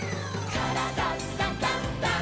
「からだダンダンダン」せの！